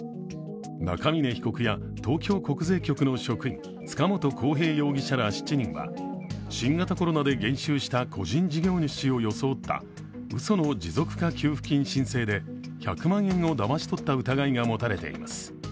中峯被告や東京国税局の職員、塚本晃平容疑者ら７人は新型コロナで減収した個人事業主を装ったうその持続化給付金申請で１００万円をだまし取った疑いが持たれています。